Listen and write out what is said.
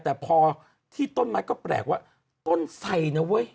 แต่พอที่ต้นไม้ก็แปลกว่าต้นไสนะเว้ย